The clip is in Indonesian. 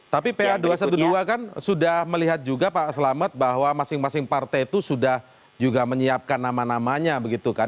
tapi pa dua ratus dua belas kan sudah melihat juga pak selamet bahwa masing masing partai itu sudah juga menyiapkan nama namanya begitu kan